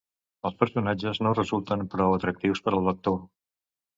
Els personatges no resulten prou atractius per al lector.